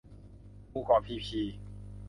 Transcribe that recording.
หมู่เกาะพีพี